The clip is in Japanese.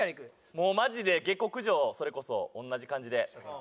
もうマジで下克上それこそ同じ感じで。